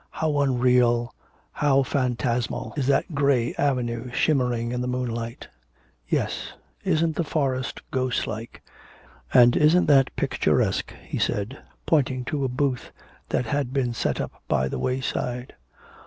How unreal, how phantasmal, is that grey avenue shimmering in the moonlight.' 'Yes, isn't the forest ghostlike. And isn't that picturesque,' he said, pointing to a booth that had been set up by the wayside.